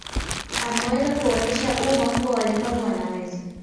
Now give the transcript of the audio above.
Ameweza kuuonyesha umma kuwa walemavu wanaweza